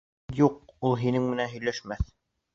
Юҡ, ул һинең менән һөйләшмәҫ.